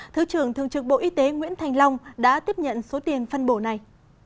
thứ trưởng thường trực bộ y tế nguyễn thành long đã tiếp nhận số tiền phân bổ này